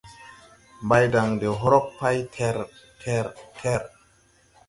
Mbaydan de hrog pay ter! Ter! ter!